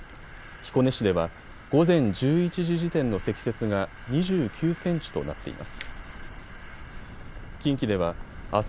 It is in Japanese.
彦根市では午前１１時時点の積雪が２９センチとなっています。